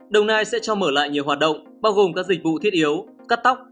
đồng nai sẽ cho mở lại nhiều hoạt động bao gồm các dịch vụ thiết yếu cắt tóc